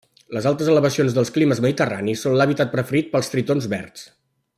Les altes elevacions dels climes mediterranis són l'hàbitat preferit pels tritons verds.